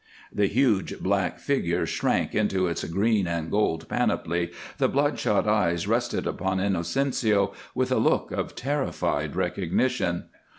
The huge black figure shrank into its green and gold panoply, the bloodshot eyes rested upon Inocencio with a look of terrified recognition.